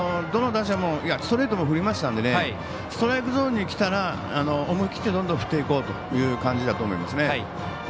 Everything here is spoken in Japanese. どの打者もストレートも振りましたのでストライクゾーンにきたら思い切ってどんどん振っていこうという感じだと思います。